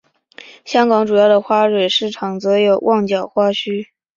香港主要的花卉市场则有旺角花墟。